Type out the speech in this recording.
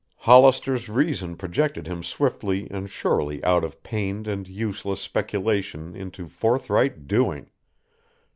Hollister's reason projected him swiftly and surely out of pained and useless speculation into forthright doing.